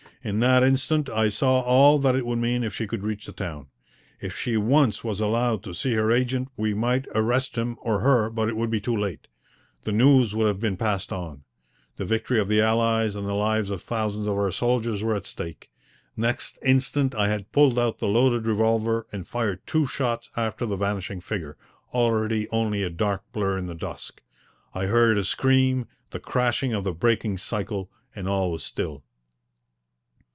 In that instant I saw all that it would mean if she could reach the town. If she once was allowed to see her agent we might arrest him or her, but it would be too late. The news would have been passed on. The victory of the Allies and the lives of thousands of our soldiers were at stake. Next instant I had pulled out the loaded revolver and fired two shots after the vanishing figure, already only a dark blur in the dusk. I heard a scream, the crashing of the breaking cycle, and all was still.